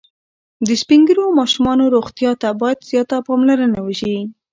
د سپین ږیرو او ماشومانو روغتیا ته باید زیاته پاملرنه وشي.